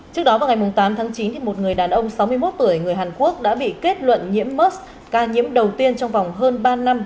trước đó vào ngày tám tháng chín một người đàn ông sáu mươi một tuổi người hàn quốc đã bị kết luận nhiễm mus ca nhiễm đầu tiên trong vòng hơn ba năm